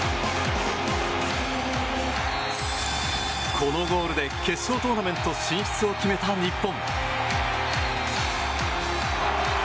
このゴールで決勝トーナメント進出を決めた日本。